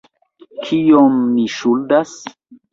Kiom ni ŝuldas?